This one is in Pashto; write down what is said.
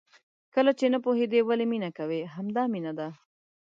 کله چې نه پوهېدې ولې مینه کوې؟ همدا مینه ده.